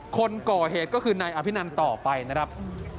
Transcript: คนก่อเหตุก็คือนายอภินันต่อไปนะครับ